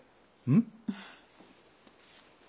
うん。